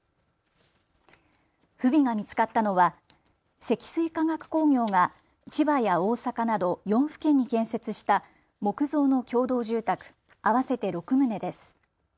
不備が見つかったのは積水化学工業が千葉や大阪など４府県に建設した木造の共同住宅合わせて６棟です。